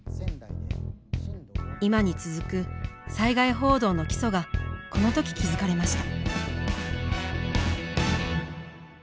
今に続く災害報道の基礎がこの時築かれました